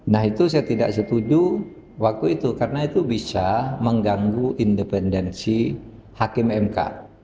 nah itu saya tidak setuju waktu itu karena itu bisa mengganggu independensi hakim mk